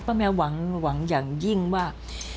แมวหวังอย่างยิ่งว่า